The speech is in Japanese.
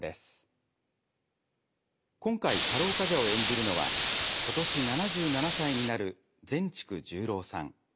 今回太郎冠者を演じるのは今年７７歳になる善竹十郎さん。